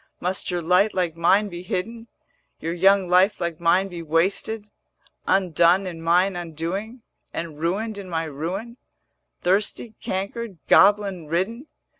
Must your light like mine be hidden, 480 Your young life like mine be wasted, Undone in mine undoing, And ruined in my ruin, Thirsty, cankered, goblin ridden?'